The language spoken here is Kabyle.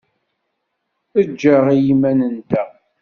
Ejj-aɣ i yiman-nteɣ.